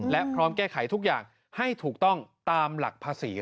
และพร้อมแก้ไขทุกอย่างให้ถูกต้องตามหลักภาษี